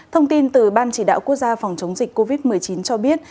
thông tin từ ban chỉ đạo quốc gia phòng chống dịch covid một mươi chín cho biết